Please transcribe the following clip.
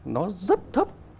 nó rất thấp